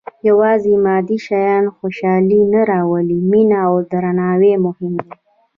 • یوازې مادي شیان خوشالي نه راوړي، مینه او درناوی مهم دي.